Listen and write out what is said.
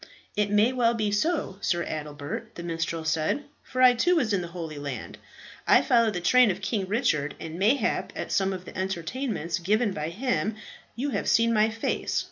"It may well be so, Sir Adelbert," the minstrel said, "for I too was in the Holy Land. I followed the train of King Richard, and mayhap at some of the entertainments given by him you have seen my face.